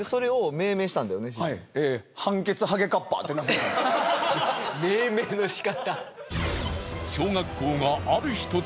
命名の仕方。